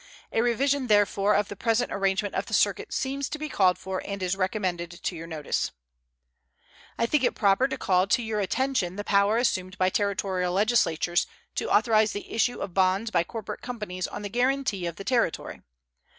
A revision, therefore, of the present arrangement of the circuit seems to be called for and is recommended to your notice. I think it proper to call your attention to the power assumed by Territorial legislatures to authorize the issue of bonds by corporate companies on the guaranty of the Territory.